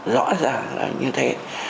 rõ ràng là như thế